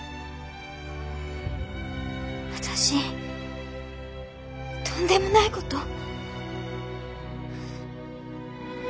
私とんでもない事を。